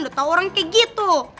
udah tau orang kayak gitu